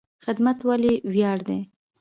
خدمت ولې ویاړ دی؟